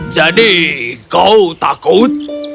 jadi kau takut